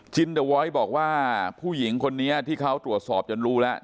จินเดอร์วอยบอกว่าผู้หญิงคนนี้ที่เขาตรวจสอบจนรู้แล้ว